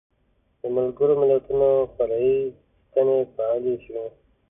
د ملګرو ملتونو فرعي ستنې فعالې شوې.